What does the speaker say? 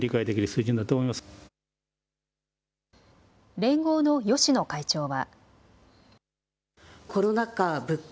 連合の芳野会長は。